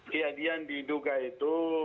ke yadian di duga itu